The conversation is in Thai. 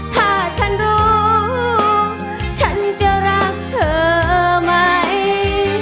ถ้าฉันรู้ฉันจะรักเธอไหม